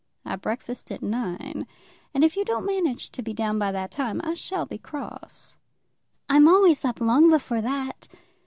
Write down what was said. I breakfast at nine, and if you don't manage to be down by that time, I shall be cross." "I'm always up long before that."